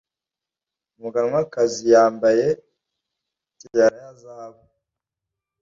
Umuganwakazi yambaye tiara ya zahabu.